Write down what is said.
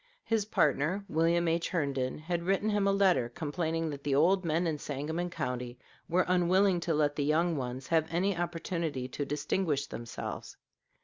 His partner, William H. Herndon, had written him a letter, complaining that the old men in Sangamon County were unwilling to let the young ones have any opportunity to distinguish themselves.